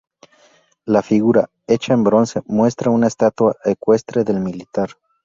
La figura, hecha en bronce, muestra una estatua ecuestre del militar.